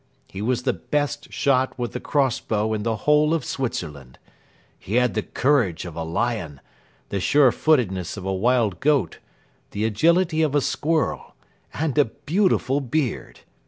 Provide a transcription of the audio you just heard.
He was the best shot with the cross bow in the whole of Switzerland. He had the courage of a lion, the sure footedness of a wild goat, the agility of a squirrel, and a beautiful beard.